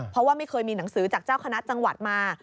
เพราะว่าไม่เคยมีหนังสือจากเจ้าคณะจังหวัดมา